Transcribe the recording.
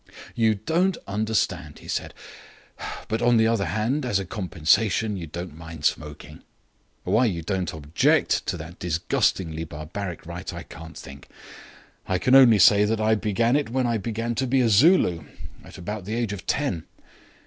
"You don't understand," he said, "but, on the other hand, as a compensation, you don't mind smoking. Why you don't object to that disgustingly barbaric rite I can't think. I can only say that I began it when I began to be a Zulu, about the age of ten.